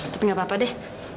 tapi gak apa apa deh